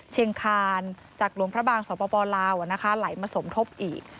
เชียงคานจากหลวงพระบางสปลาวนะคะไหลมาสมทบอีก